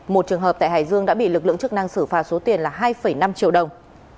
một trường hợp tại hải dương đã bị lực lượng chức năng xử phạt số tiền là hai năm triệu đồng